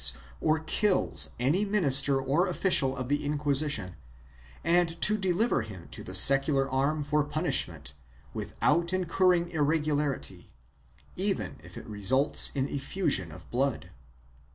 368 SUPEEEMINENCE [Boo* II or kills any minister or official of the Inquisition and to deliver him to the secular arm for punishment, without incurring irregu larity, even if it results in effusion of blood.